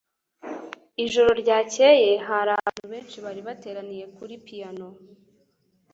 Ijoro ryakeye hari abantu benshi bari bateraniye kuri piyano